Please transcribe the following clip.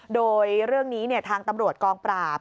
โดยเรื่องนี้ทางตำรวจกองปราบ